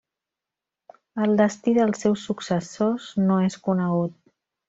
El destí dels seus successors no és conegut.